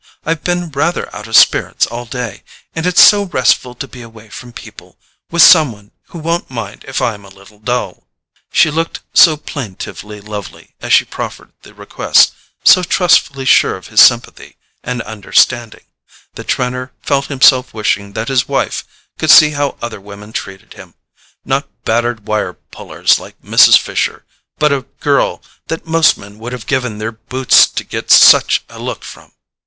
I've been rather out of spirits all day, and it's so restful to be away from people, with some one who won't mind if I'm a little dull." She looked so plaintively lovely as she proffered the request, so trustfully sure of his sympathy and understanding, that Trenor felt himself wishing that his wife could see how other women treated him—not battered wire pullers like Mrs. Fisher, but a girl that most men would have given their boots to get such a look from.